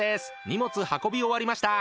荷物、運び終わりました！